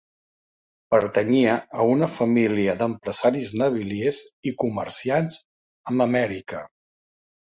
Pertanyia a una família d'empresaris naviliers i comerciants amb Amèrica.